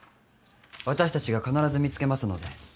私たちが必ず見つけますので。